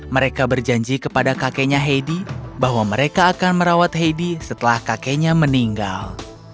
mereka berjanji kepada kakenya heidi bahwa mereka akan merawat heidi setelah kakenya meninggal